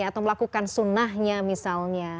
atau melakukan sunnahnya misalnya